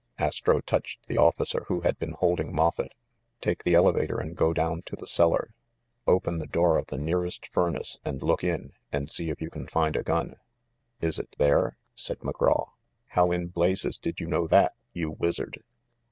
Astro touched the officer wKo had been holding Moffett. "Take the elevator and go down to the cel lar. Open the door of the nearest furnace and look in and see if you can find a gun." "Is it there?" said McGraw. "How in blazes did you know that, you wizard?"